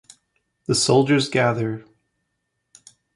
The soldiers gather.